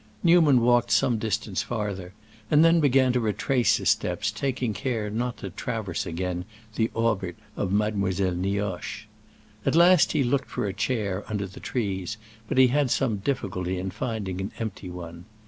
Newman walked some distance farther, and then began to retrace his steps taking care not to traverse again the orbit of Mademoiselle Nioche. At last he looked for a chair under the trees, but he had some difficulty in finding an empty one.